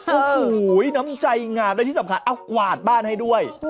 โอ้โหน้ำใจงามและที่สำคัญเอากวาดบ้านให้ด้วย